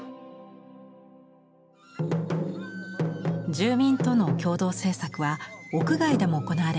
住民との共同制作は屋外でも行われました。